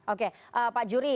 oke pak juri